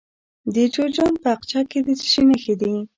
د جوزجان په اقچه کې د څه شي نښې دي؟